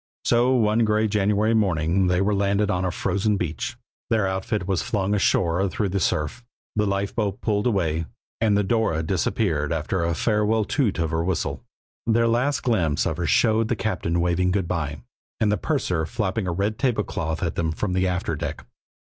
So, one gray January morning they were landed on a frozen beach, their outfit was flung ashore through the surf, the lifeboat pulled away, and the Dora disappeared after a farewell toot of her whistle. Their last glimpse of her showed the captain waving good by and the purser flapping a red tablecloth at them from the after deck.